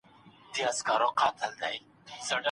مثبت معلومات د انسان د فکر د ودې لامل دي.